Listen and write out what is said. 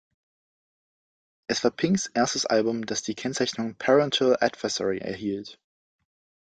Es war Pinks erstes Album, das die Kennzeichnung Parental Advisory erhielt.